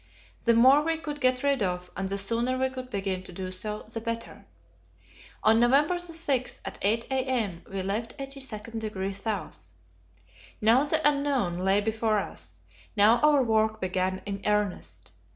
The more we could get rid of, and the sooner we could begin to do so, the better. On November 6, at 8 a.m., we left 82° S. Now the unknown lay before us; now our work began in earnest.